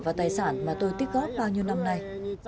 và tài sản mà tôi tích góp bao nhiêu năm nay